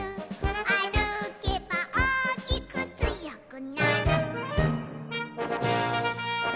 「あるけばおおきくつよくなる」